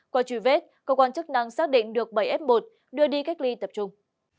qua truy vết cơ quan chức năng xác định được bảy f một đưa đi cách ly tập trung